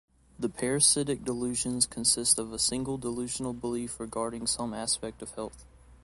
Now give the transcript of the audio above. The parasitic delusions consist of a single delusional belief regarding some aspect of health.